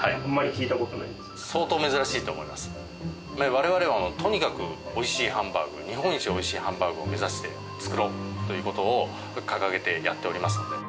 我々はもうとにかくおいしいハンバーグ日本一おいしいハンバーグを目指して作ろうという事を掲げてやっておりますので。